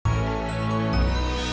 tidak loh kejaya sedang melakukan ritual